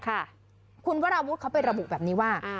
คุณวราวุฒิเขาไประบุแบบนี้ว่า